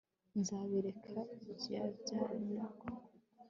Nzabereka bybyna ko I